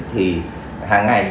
thì hàng ngày